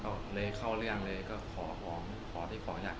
เขาเลเข้าเรื่องเลยก็ขอหอมขอที่ขออยากได้